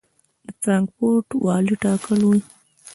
د فرانکفورټ والي ټاکلی و.